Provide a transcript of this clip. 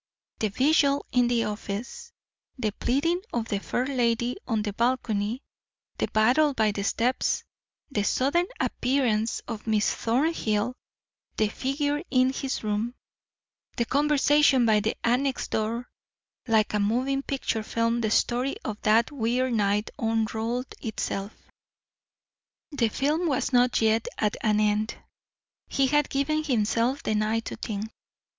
The vigil in the office, the pleading of the fair girl on the balcony, the battle by the steps, the sudden appearance of Miss Thornhill, the figure in his room, the conversation by the annex door like a moving picture film the story of that weird night unrolled itself. The film was not yet at an end. He had given himself the night to think.